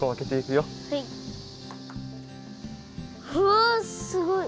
わあすごい！